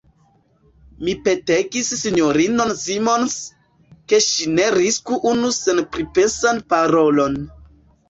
Mi petegis S-inon Simons, ke ŝi ne risku unu senpripensan parolon.